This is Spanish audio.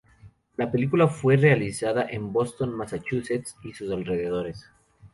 La película fue realizada en Boston, Massachusetts y sus alrededores.